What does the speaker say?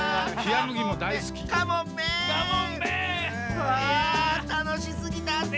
うわたのしすぎたッス。